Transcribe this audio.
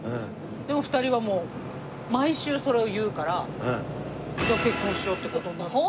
でも２人はもう毎週それを言うからじゃあ結婚しようっていう事になった。